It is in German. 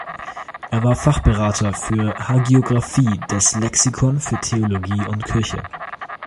Er war Fachberater für Hagiographie des "Lexikon für Theologie und Kirche".